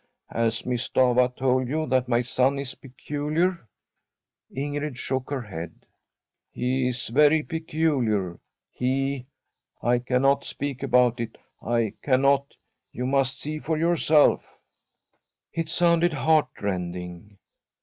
' Has Miss Stafva told you that my son is pe culiar ?' Ingrid shook her head. ' He is very peculiar — he — I cannot speak about it. I cannot — you must see for yourself.' It sounded heartrending.